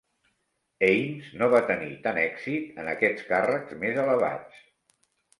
Ames no va tenir tant èxit en aquests càrrecs més elevats.